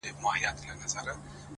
• د همت ږغ مو په کل جهان کي خپور وو,